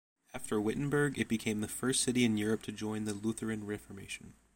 After Wittenberg, it became the first city in Europe to join the Lutheran Reformation.